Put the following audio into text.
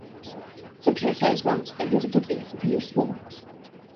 Scipio says once that he is a good thief because he is small.